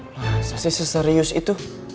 masa sih seserius itu